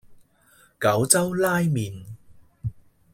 九州拉麵